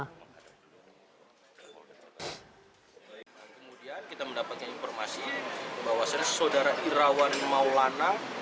kemudian kita mendapatkan informasi bahwasannya saudara irawan maulana